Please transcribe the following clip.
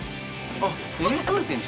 あっ！